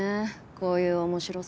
こういう面白さは。